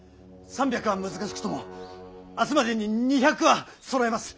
３００は難しくとも明日までに２００はそろえます。